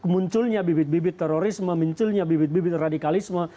munculnya bibit bibit terorisme munculnya bibit bibit radikalisme